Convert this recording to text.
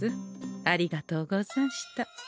ありがとうござんした。